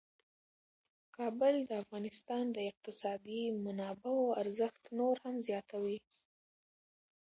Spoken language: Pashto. کابل د افغانستان د اقتصادي منابعو ارزښت نور هم زیاتوي.